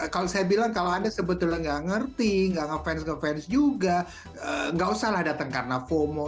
kalau saya bilang kalau anda sebetulnya nggak ngerti nggak ngefans ngefans juga nggak usah lah datang karena fomo